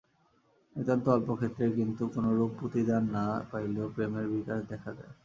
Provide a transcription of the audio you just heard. নিতান্ত অল্প ক্ষেত্রেই কিন্তু কোনরূপ প্রতিদান না পাইলেও প্রেমের বিকাশ দেখা যায়।